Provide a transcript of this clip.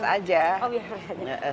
biar awet muda selalu